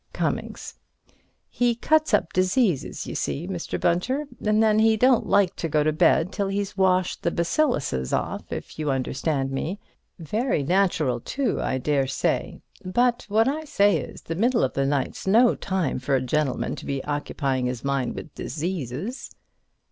Cummings: He cuts up diseases, you see, Mr. Bunter, and then he don't like to go to bed till he's washed the bacilluses off, if you understand me. Very natural, too, I daresay. But what I say is, the middle of the night's no time for a gentleman to be occupying his mind with diseases.